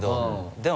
でも。